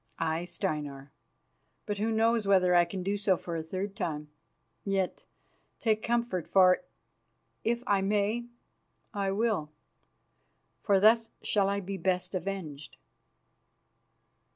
"Aye, Steinar; but who knows whether I can do so for a third time? Yet take comfort, for if I may I will, for thus shall I be best avenged."